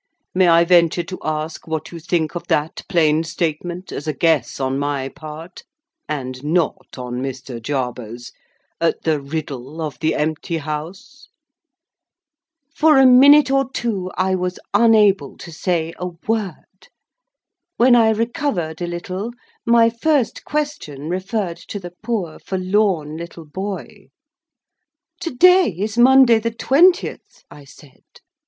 "May I venture to ask what you think of that plain statement, as a guess on my part (and not on Mr. Jarber's) at the riddle of the empty House?" For a minute or two I was unable to say a word. When I recovered a little, my first question referred to the poor forlorn little boy. "To day is Monday the twentieth," I said.